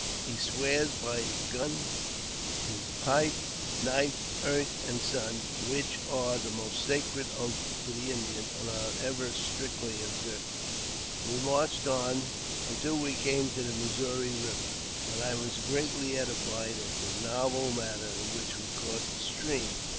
He swears by his gun, tis pipe, knife, earth, and sun, which are the most sacred oaths to the Indian, and are ever strictly observed. 142 AUTOBIOGRAPHY OF We marched on until we came to the Missouri Eiver, and I was greatly edified at the novel manner in which we crossed the stream.